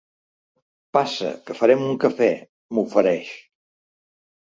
Passa, que farem un cafè —m'ofereix.